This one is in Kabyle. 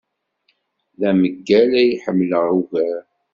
D ameggal ay ḥemmleɣ ugar.